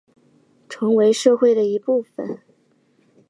成为社会的一部分